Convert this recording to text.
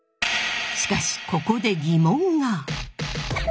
しかしここで疑問が。